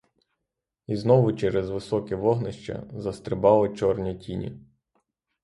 І знову через високе вогнище застрибали чорні тіні.